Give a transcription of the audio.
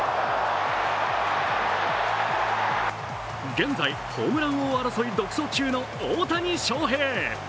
現在、ホームラン王争い独走中の大谷翔平。